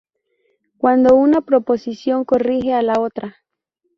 Cuando una proposición corrige a la otra.